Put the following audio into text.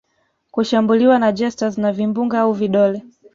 kushambuliwa na jesters na vimbunga au vidole